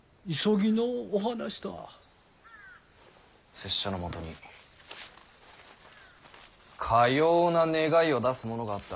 拙者のもとにかような願いを出すものがあった。